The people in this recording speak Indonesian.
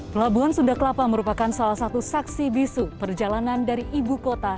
pelabuhan sunda kelapa merupakan salah satu saksi bisu perjalanan dari ibu kota